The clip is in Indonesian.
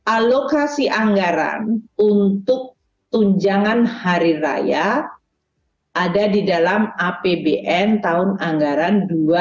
alokasi anggaran untuk tunjangan hari raya ada di dalam apbn tahun anggaran dua ribu dua puluh